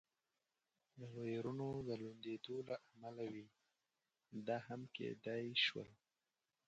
د وېرونو د لوندېدو له امله وي، دا هم کېدای شول.